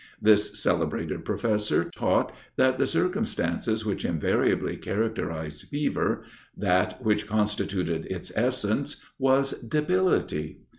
This celebrated professor taught, that the circumstance which invariably characterised fever, that which constituted its essence, was debility.